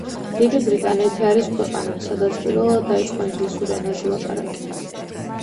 დიდი ბრიტანეთი არის ქვეყანა, სადაც პირველად დაიწყო ინგლისურ ენაზე ლაპარაკი.